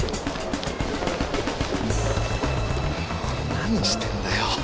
何してんだよ。